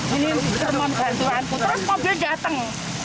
ini permohon bantuan terus mobil datang